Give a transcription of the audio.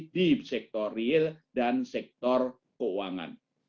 di sektor real dan sektor keuangan